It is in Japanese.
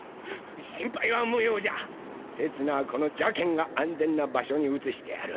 心配は無用じゃせつなはこの邪見が安全な場所に移してやる！